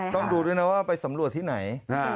ต้องดูด้วยนะว่าไปสำรวจที่ไหน